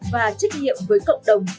và trách nhiệm với cộng đồng